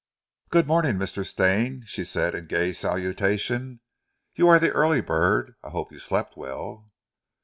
"Good morning, Mr. Stane," she said in gay salutation, "you are the early bird. I hope you slept well."